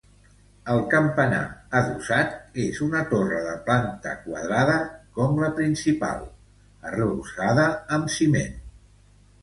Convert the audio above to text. El campanar, adossat, és una torre de planta quadrada, com la principal, arrebossada amb ciment.